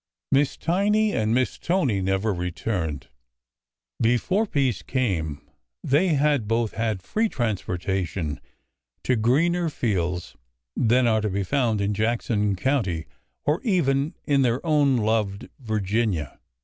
Miss Tiny and Miss Tony never returned. Before peace came they had both had free transportation to greener fields than are to be found in Jackson County or even in their own loved Virginia.